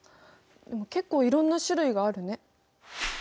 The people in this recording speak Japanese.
でも結構いろんな種類があるね。